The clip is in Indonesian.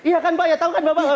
iya kan pak ya tau kan bapak